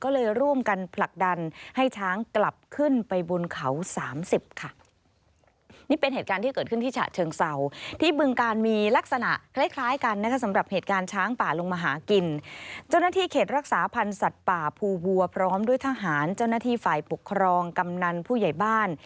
ลงมาหากินเจ้าหน้าที่เขตรักษาพันธุ์สัตว์ป่าภูวัวพร้อมด้วยทหารเจ้าหน้าที่ฝ่ายปกครองกำนันผู้ใหญ่บ้าน